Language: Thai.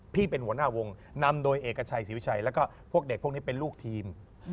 เป็นหัวหน้าวงนำโดยเอกชัยศรีวิชัยแล้วก็พวกเด็กพวกนี้เป็นลูกทีม